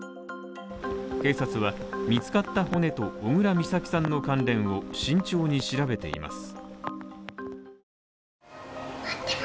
警察は、見つかった骨と小倉美咲さんの関連を慎重に調べています。